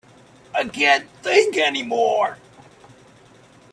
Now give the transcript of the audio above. I can't think any more.